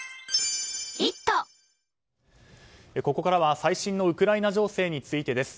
ここからは最新のウクライナ情勢についてです。